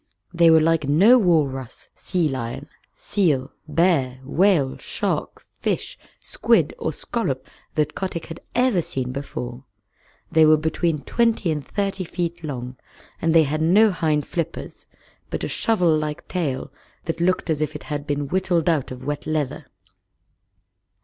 They were like no walrus, sea lion, seal, bear, whale, shark, fish, squid, or scallop that Kotick had ever seen before. They were between twenty and thirty feet long, and they had no hind flippers, but a shovel like tail that looked as if it had been whittled out of wet leather.